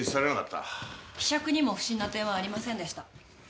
杓にも不審な点はありませんでした。